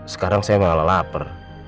sekarang saya malah lapar